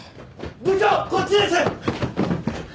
部長こっちです！